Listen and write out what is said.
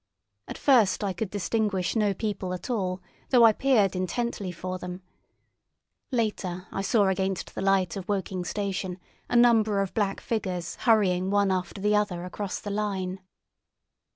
At first I could distinguish no people at all, though I peered intently for them. Later I saw against the light of Woking station a number of black figures hurrying one after the other across the line.